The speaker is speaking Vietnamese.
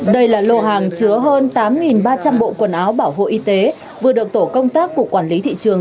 đây là lô hàng chứa hơn tám ba trăm linh bộ quần áo bảo hộ y tế vừa được tổ công tác của quản lý thị trường